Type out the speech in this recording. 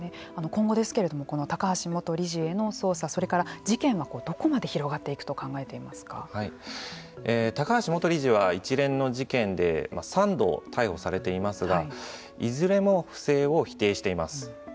今後ですけれども高橋元理事への捜査それから事件はどこまで広がっていくと高橋元理事は一連の事件で３度逮捕されていますがいずれも不正を否定しています。